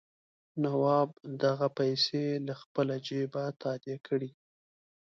نواب دغه پیسې له خپله جېبه تادیه کړي.